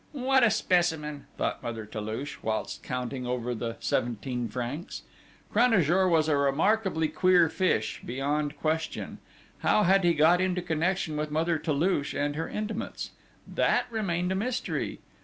"What a specimen!" thought Mother Toulouche, whilst counting over the seventeen francs. Cranajour was a remarkably queer fish, beyond question. How had he got into connection with Mother Toulouche and her intimates? That remained a mystery.